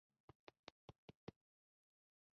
طالب حسین ځان کاندید کړی وو.